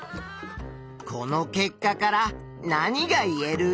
この結果から何がいえる？